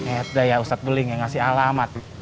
eh udah ya ustadz beling yang ngasih alamat